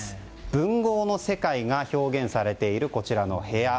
文豪の世界が表現されているこちらの部屋。